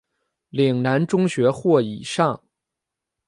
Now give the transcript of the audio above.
岭南中学或以上。